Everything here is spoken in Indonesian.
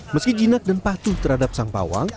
meski jinak dan patuh terhadap sang pawang